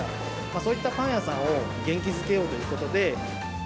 そういったパン屋さんを元気づけようということで。